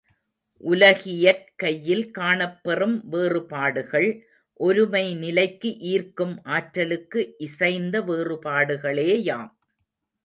உலகியற்கையில் காணப் பெறும் வேறுபாடுகள் ஒருமை நிலைக்கு ஈர்க்கும் ஆற்றலுக்கு இசைந்த வேறுபாடுகளேயாம்.